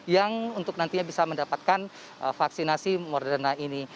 yang untuk nantinya bisa mendapatkan vaksinasi moderna ini